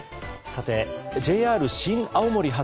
ＪＲ新青森発